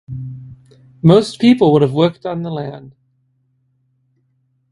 Most people would have worked on the land.